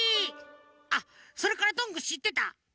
あっそれからどんぐーしってた？